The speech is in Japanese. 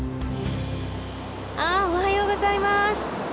あおはようございます。